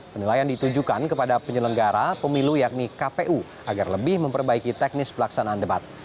penilaian ditujukan kepada penyelenggara pemilu yakni kpu agar lebih memperbaiki teknis pelaksanaan debat